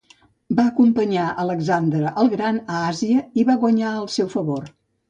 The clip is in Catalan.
Va acompanyar a Alexandre el Gran a Àsia i va guanyar el seu favor.